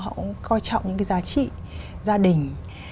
họ cũng coi trọng những cái giá trị gia đình